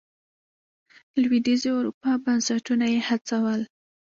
لوېدیځې اروپا بنسټونه یې هڅول.